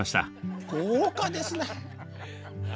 豪華ですね！